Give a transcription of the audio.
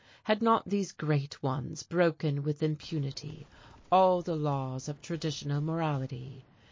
Had not these great ones broken with impunity all the laws of traditional morality?